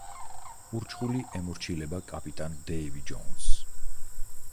ურჩხული ემორჩილება კაპიტან დეივი ჯოუნსს.